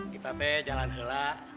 kita teh jalan helah